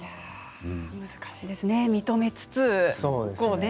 難しいですね、認めつつ。